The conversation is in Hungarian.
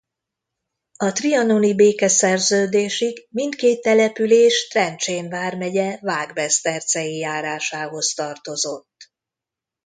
A trianoni békeszerződésig mindkét település Trencsén vármegye Vágbesztercei járásához tartozott.